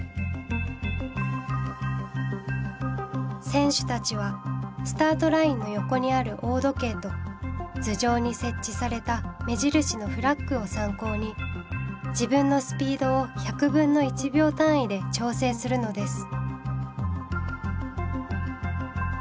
選手たちはスタートラインの横にある大時計と頭上に設置された目印のフラッグを参考に自分のスピードを１００分の１秒単位で調整するのです。